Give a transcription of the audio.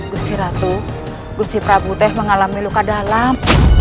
gusti ratu gusti prabu teh mengalami luka dalam